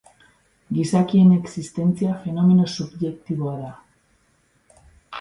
Gizakien existentzia fenomeno subjektiboa da.